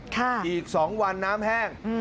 อีก๒วันน้ำแห้ง